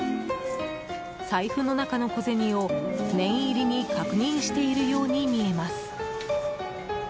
財布の中の小銭を、念入りに確認しているように見えます。